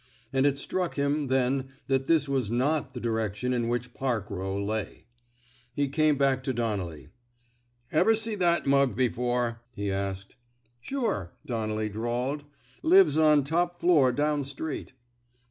And it struck him, then, that this was not the direction in which Park Eow lay. He came back to Donnelly. Ever seen that mug afore I " he asked. Sure," Donnelly drawled. Lives on a top floor down street."